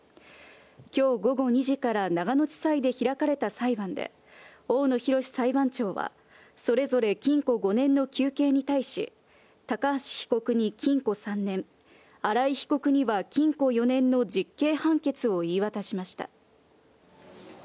きょう午後２時から長野地裁で開かれた裁判で、大野洋裁判長は、それぞれ禁錮５年の求刑に対し、高橋被告に禁錮３年、荒井被告には禁錮４年の実刑判決を言い渡しました。